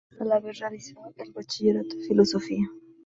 A la vez realizó el Bachillerato en Filosofía.